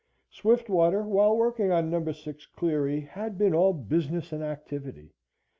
Swiftwater, while working on Number 6 Cleary, had been all business and activity.